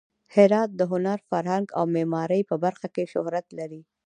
هرات د هنر، فرهنګ او معمارۍ په برخه کې شهرت لري.